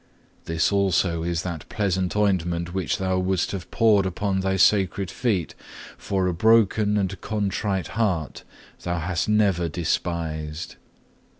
This also is that pleasant ointment which Thou wouldst have poured upon Thy sacred feet, for a broken and contrite heart Thou hast never despised.